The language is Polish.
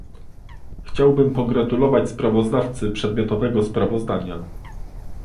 Chciałbym pogratulować sprawozdawcy przedmiotowego sprawozdania